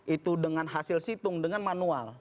itu dengan hasil situng dengan manual